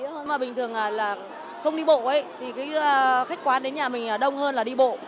nhưng mà bình thường là không đi bộ ấy thì cái khách quán đến nhà mình đông hơn là đi bộ